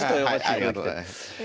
ありがとうございます。